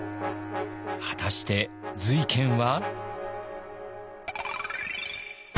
果たして瑞賢は？